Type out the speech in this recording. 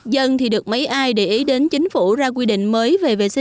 dân thì được mấy ai để ý đến chính phủ ra quy định mới về vệ sinh